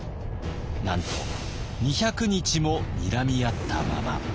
なんと２００日もにらみ合ったまま。